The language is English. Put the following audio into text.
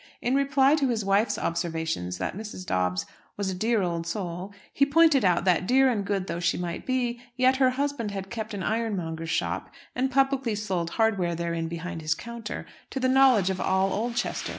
In reply to his wife's observations that Mrs. Dobbs was a "dear old soul," he pointed out that, dear and good though she might be, yet her husband had kept an ironmonger's shop, and publicly sold hardware therein behind his counter, to the knowledge of all Oldchester.